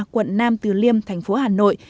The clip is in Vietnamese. quận nam từ liêm thành phố hà nội